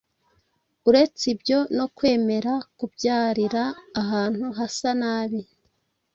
uretse ibyo no kwemera kubyarira ahantu hasa nabi